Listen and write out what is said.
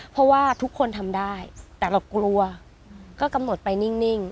เพราะว่าทุกคนทำได้แต่เรากลัวก็กำหนดไปนิ่ง